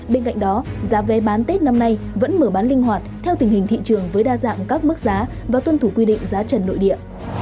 bên cạnh đó giá vé bán tết năm nay vẫn mở bán linh hoạt theo tình hình thị trường với đa dạng các mức giá và tuân thủ quy định giá trần nội địa